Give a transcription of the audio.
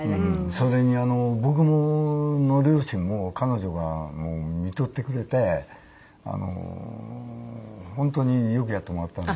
それに僕の両親も彼女がみとってくれて本当によくやってもらったんで。